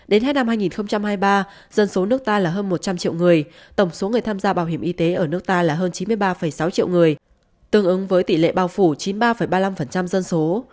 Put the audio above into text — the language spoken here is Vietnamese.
đến hết năm hai nghìn hai mươi ba dân số nước ta là hơn một trăm linh triệu người tổng số người tham gia bảo hiểm y tế ở nước ta là hơn chín mươi ba sáu triệu người tương ứng với tỷ lệ bao phủ chín mươi ba ba mươi năm dân số